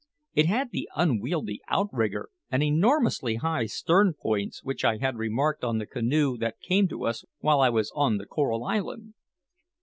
It had the unwieldy outrigger and enormously high stern posts which I had remarked on the canoe that came to us while I was on the Coral Island.